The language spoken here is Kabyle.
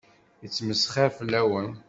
Yettmesxiṛ fell-awen.